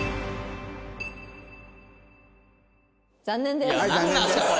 残念です。